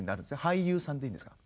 俳優さんでいいんですか？